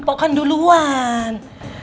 poh kan duluan